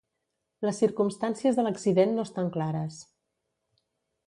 Les circumstàncies de l'accident no estan clares.